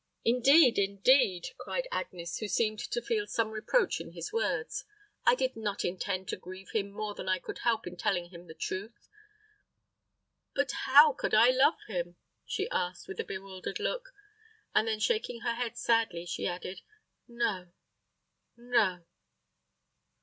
"Indeed, indeed," cried Agnes, who seemed to feel some reproach in his words, "I did not intend to grieve him more than I could help in telling him the truth. But how could I love him?" she asked, with a bewildered look; and then shaking her head sadly, she added, "no no!"